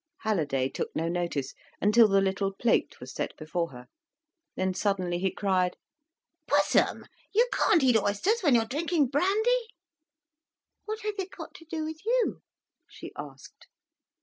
Halliday took no notice, until the little plate was set before her. Then suddenly he cried: "Pussum, you can't eat oysters when you're drinking brandy." "What has it go to do with you?" she asked.